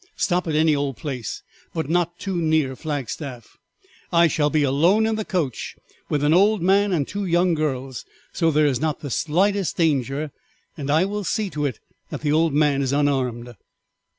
Stop it any old place, but not too near Flagstaff. I shall be alone in the coach with an old man and two young girls, so there is not the slightest danger, and I will see that the old man is unarmed."